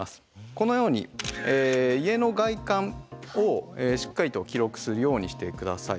このように家の外観をしっかりと記録するようにして下さい。